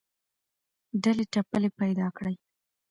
ډلې ټپلې پیدا کړې